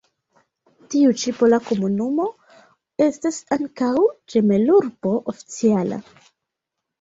Tiu ĉi pola komunumo estas ankaŭ ĝemelurbo oficiala.